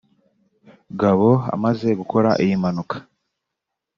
Gabo amaze gukora iyi mpanuka